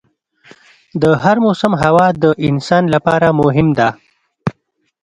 د هر موسم هوا د انسان لپاره مهم ده.